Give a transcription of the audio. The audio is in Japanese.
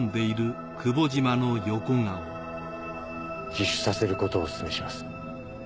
自首させることをお勧めします。